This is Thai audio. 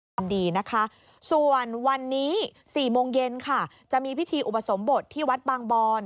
ทำดีนะคะส่วนวันนี้๔โมงเย็นค่ะจะมีพิธีอุปสมบทที่วัดบางบอน